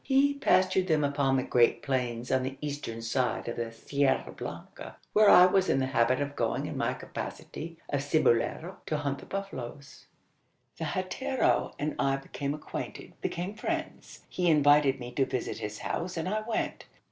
He pastured them upon the great plains on the eastern side of the Sierra Blanca where I was in the habit of going in my capacity of cibolero to hunt the buffaloes. The hatero and I became acquainted became friends. He invited me to visit his house, and I went.